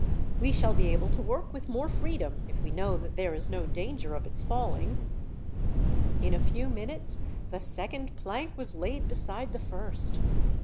We shall be able to work with more freedom, if we know that there is no danger of its falling." In a few minutes, the second plank was laid beside the first.